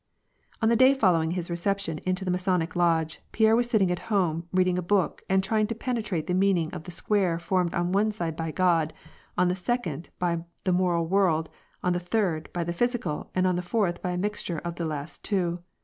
On the day following his reception into the Masonic Lodge, Pierre was sitting at home, reading a book and trying to pene trate the meaning of the Square formed on one side by God, on the second by the moral world, on the third by the physi cal, and on the fourth by a mixture of the two last.